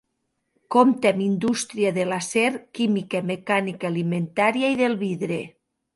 Compta amb indústria de l'acer, química, mecànica, alimentària i del vidre.